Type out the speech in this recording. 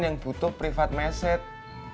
yang butuh private message